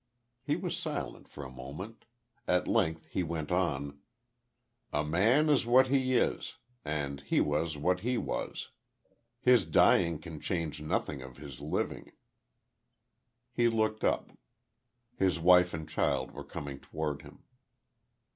He was silent for a moment; at length he went on: "A man is what he is, and he was what he was. His dying can change nothing of his living." He looked up. His wife and child were coming toward him.